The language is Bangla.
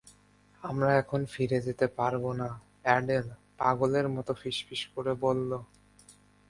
আমরা এখন ফিরে যেতে পারবো না, এডেল পাগলের মত ফিসফিস করে বললো।